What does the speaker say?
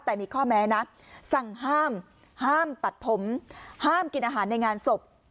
แต่มีข้อแม้นะสั่งห้ามห้ามตัดผมห้ามกินอาหารในงานศพ